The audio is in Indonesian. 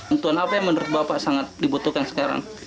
tentuan apa yang menurut bapak sangat dibutuhkan sekarang